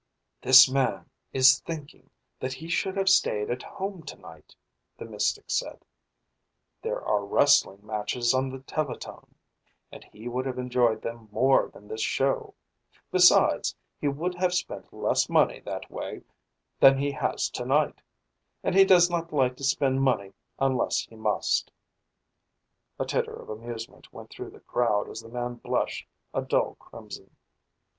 "This man is thinking that he should have stayed at home tonight," the mystic said. "There are wrestling matches on the teletone, and he would have enjoyed them more than this show. Besides, he would have spent less money that way than he has tonight. And he does not like to spend money unless he must." A titter of amusement went through the crowd as the man blushed a dull crimson.